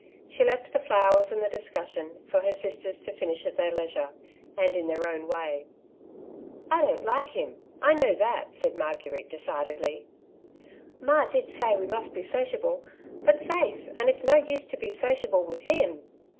She left the flowers and the discussion, for her sisters to finish at their leisure, and in their own way. '* I don't like him, I know that,'' said Marguerite decidedly. ^^ Ma did say we must be sociable ; but faith, and it's no use to be sociable with him."